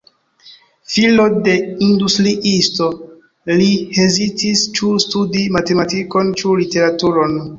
Filo de industriisto, li hezitis ĉu studi matematikon ĉu literaturon.